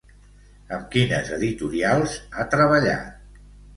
Amb quines editorials ha treballat?